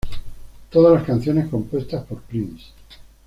Todas las canciones compuestas por Prince.